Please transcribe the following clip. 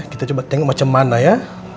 kita coba lihat bagaimana ya